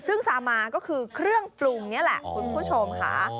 ซึ่งซามาก็คือเครื่องปรุงนี่แหละคุณผู้ชมค่ะ